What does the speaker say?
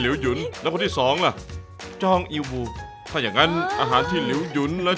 หรือบุตรจุดคุณขึ้นสู่ใจแล้ว